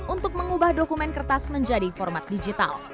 untuk mengubah dokumen kertas menjadi format digital